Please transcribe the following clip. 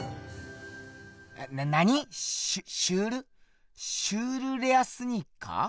な何⁉シュシュールシュールレアスニーカー？